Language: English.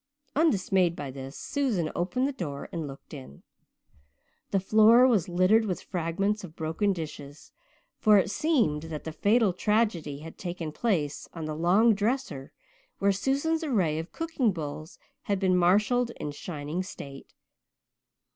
Undismayed by this, Susan opened the door and looked in. The floor was littered with fragments of broken dishes, for it seemed that the fatal tragedy had taken place on the long dresser where Susan's array of cooking bowls had been marshalled in shining state.